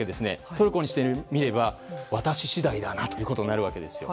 トルコにしてみれば私次第だなということになるわけですよ。